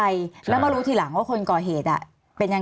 มีความรู้สึกว่ามีความรู้สึกว่า